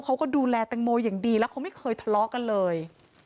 เขาก็ดูแลแตงโมอย่างดีแล้วเขาไม่เคยทะเลาะกันเลย